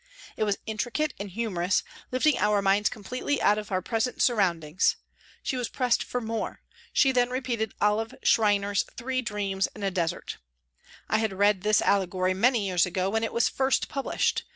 It was intricate and humorous, lifting our minds completely out of our present surround ings. She was pressed for " more." She then repeated Olive Schreiner's " Three Dreams in a Desert." I had read this allegory many years ago when it was first published.